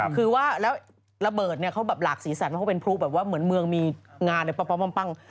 คือว่าแล้วระเบิดเขาหลากสีสันว่าเขาเป็นพรุ่เหมือนเมืองมีงานปั๊บปั้ง